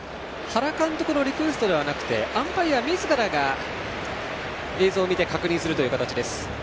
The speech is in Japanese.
原監督のリクエストではなくてアンパイアみずからが映像を見て確認する形です。